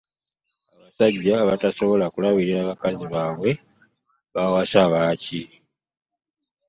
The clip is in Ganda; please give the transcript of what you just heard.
Abasajja abatasobola kulabirila bakazi baabwe bawasa baaki?